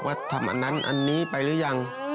ทำอันนั้นอันนี้ไปหรือยัง